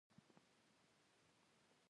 مچ د ناپاکۍ نښه ده